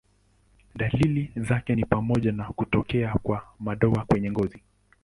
Dalili zake ni pamoja na kutokea kwa madoa kwenye ngozi.